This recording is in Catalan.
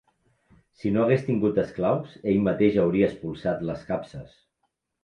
Si no hagués tingut esclaus, ell mateix hauria espolsat les capses